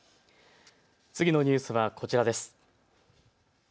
次のニュースこちらです。